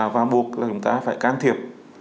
và buộc là chúng ta phải can thiệp